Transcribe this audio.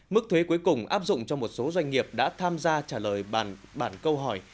mức thuế cuối cùng áp dụng cho một số doanh nghiệp đã tham gia trả lời bản câu hỏi